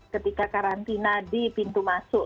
ketika karantina di pintu masuk